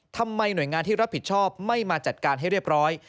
หน่วยงานที่รับผิดชอบไม่มาจัดการให้เรียบร้อย